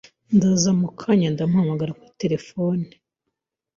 Ndaza mukanya ndaguhamagara kuri telephone